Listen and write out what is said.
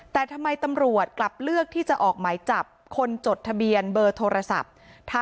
แต่ทำไมตำรวจกลับเลือกที่จะออกหมายจับคนจดทะเบียนเบอร์โทรศัพท์